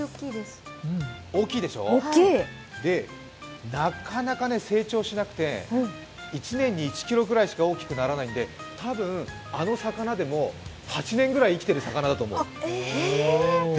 大きいでしょう、なかなか成長しなくて１年に１ｋｇぐらいしか大きくならないんで、多分あの魚でも、８年ぐらい生きてる魚だと思う。